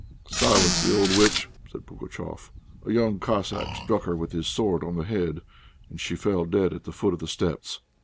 "Silence the old witch," said Pugatchéf. A young Cossack struck her with his sword on the head, and she fell dead at the foot of the steps.